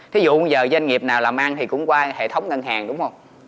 thí dụ bây giờ doanh nghiệp nào làm ăn thì cũng qua hệ thống ngân hàng đúng không